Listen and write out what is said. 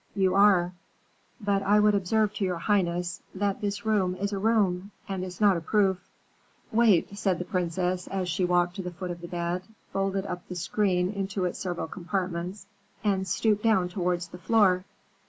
"You are." "But I would observe to your highness, that this room is a room, and is not a proof." "Wait," said the princess, as she walked to the foot of the bed, folded up the screen into its several compartments, and stooped down towards the floor.